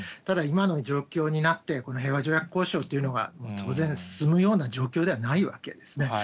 ただ、今の状況になって、この平和条約交渉というのが当然進むような状況ではないわけですね。